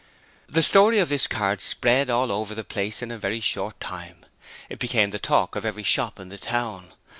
The story of this card spread all over the place in a very short time. It became the talk of every shop in the town.